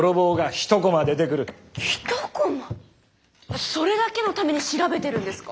一コマ⁉それだけのために調べてるんですか？